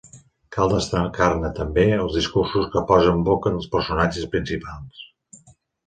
Cal destacar-ne també els discursos que posa en boca dels personatges principals.